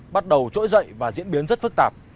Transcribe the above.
bắt đầu trỗi dậy và diễn biến rất phức tạp